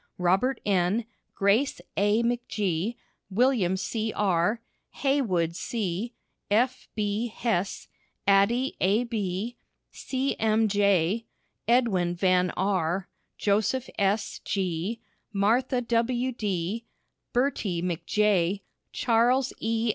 Robert N., Grace A. McG., William C. R., Heywood C., F. B. Hesse, Addie A. B., C. M. J., Edwin Van R., Joseph S. G., Martha W. D., Bertie McJ., Charles E.